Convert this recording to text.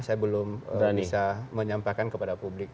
saya belum bisa menyampaikan kepada publik